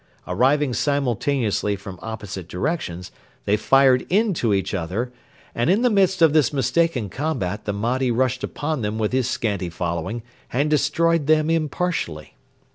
Arriving simultaneously from opposite directions, they fired into each other, and, in the midst of this mistaken combat, the Mahdi rushed upon them with his scanty following and destroyed them impartially.